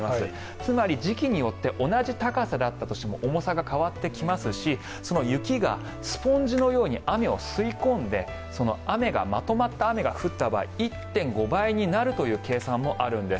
つまり、時期によって同じ高さだったとしても重さが変わってきますし雪がスポンジのように雨を吸い込んでまとまった雨が降った場合１．５倍になるという計算もあるんです。